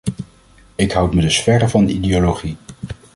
Ik houd me dus verre van ideologie.